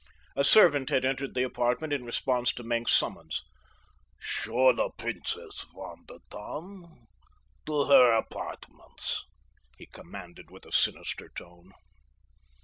A servant had entered the apartment in response to Maenck's summons. "Show the Princess von der Tann to her apartments," he commanded with a sinister tone.